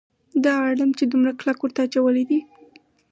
دا اړم یې دومره کلک ورته اچولی دی.